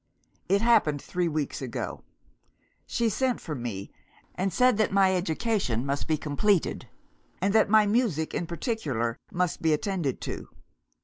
"It happened three weeks ago. "She sent for me, and said that my education must be completed, and that my music in particular must be attended to.